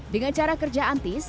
dengan cara kerja antis